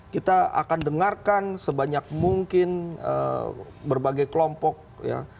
kita akan dengarkan sebanyak mungkin berbagai kelompok ya